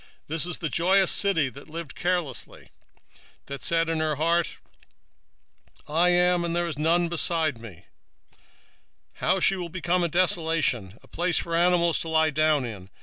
2:15 This is the rejoicing city that dwelt carelessly, that said in her heart, I am, and there is none beside me: how is she become a desolation, a place for beasts to lie down in!